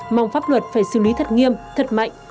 mong pháp luật phải xử lý thật nghiêm thật mạnh